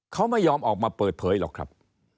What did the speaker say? เขาไม่ยอมออกมาเปิดเผยหรอกครับ